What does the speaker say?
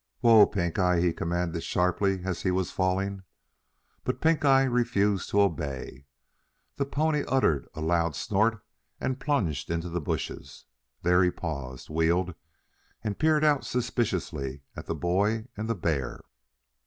"Whoa, Pink eye!" he commanded sharply as he was falling. But Pink eye refused to obey. The pony uttered a loud snort and plunged into the bushes. There he paused, wheeled, and peered out suspiciously at the boy and the bear.